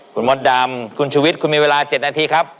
คุณมดดำคุณชุวิตคุณมีเวลา๗นาทีครับ